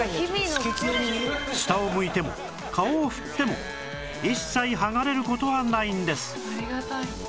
下を向いても顔を振っても一切剥がれる事はないんです